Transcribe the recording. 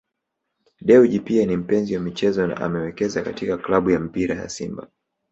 Dewji pia ni mpenzi wa michezo na amewekeza katika klabu ya mpira ya Simba